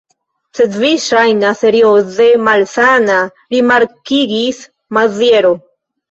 Sed vi ŝajnas serioze malsana, rimarkigis Maziero.